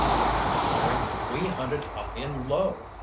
demanded Larry. "We hunted high and low!